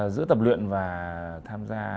giữa tập luyện và tham gia